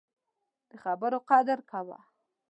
د خبرو قدر کوه